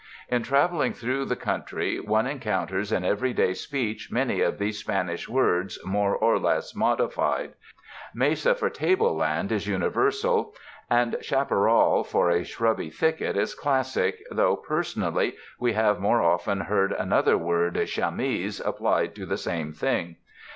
In traveling through the country, one encounters in every day speech many of these Spanish words more or less modified. Mesa for tableland is uni versal, and chaparral for a shrubby thicket is classic, though personally we have more often heard an other word, chamise, applied to the same thing.